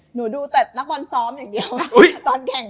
หนูดูแต่นักบอนซ้อมอย่างเดียว